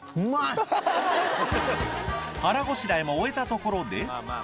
腹ごしらえも終えたところで